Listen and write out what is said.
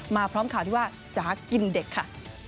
พร้อมข่าวที่ว่าจ๋ากินเด็กค่ะ